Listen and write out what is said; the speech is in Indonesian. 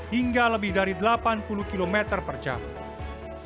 hingga lebih dari delapan puluh km per jam